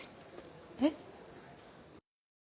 えっ？